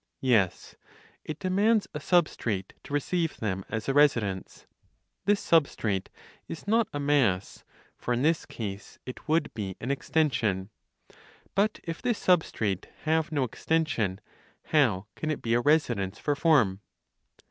Yes: it demands a substrate to receive them (as a residence). This substrate is not a mass; for in this case, it would be an extension. But if this substrate have no extension, how can it be a residence (for form)?